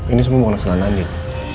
ini semua bukan kesalahan andin